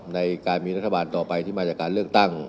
ในการมีรัฐบาลต่อไปที่มาจากการเลือกตั้ง